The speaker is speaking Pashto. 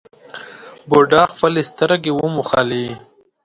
بوډا خپلې سترګې وموښلې.